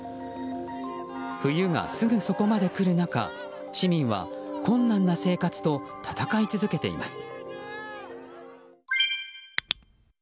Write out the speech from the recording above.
冬が、すぐそこまで来る中市民は困難な生活と戦い続けています。